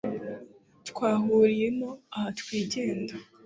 twahuriye ino aha twigenda